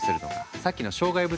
さっきの障害物